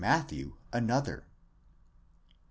Matthew another) ; 6.